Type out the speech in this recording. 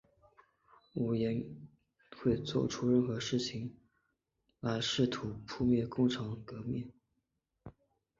吴廷琰会作出任何事情来试图扑灭共产革命。